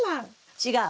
違う。